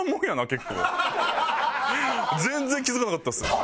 全然気付かなかったです。